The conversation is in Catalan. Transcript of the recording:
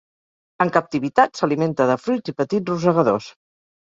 En captivitat, s'alimenta de fruits i petits rosegadors.